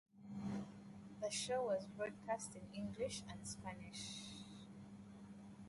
The show was broadcast in both English and Spanish.